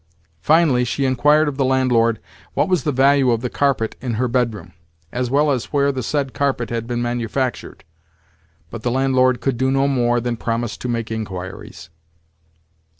Finally, she inquired of the landlord what was the value of the carpet in her bedroom, as well as where the said carpet had been manufactured; but, the landlord could do no more than promise to make inquiries.